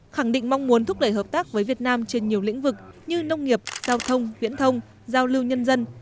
khẳng định mong muốn thúc đẩy hợp tác với việt nam trên nhiều lĩnh vực như nông nghiệp giao thông viễn thông giao lưu nhân dân